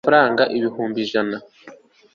akira amafaranga ibihumbi ijana